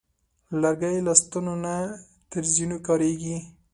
لرګی له ستنو نه تر زینو کارېږي.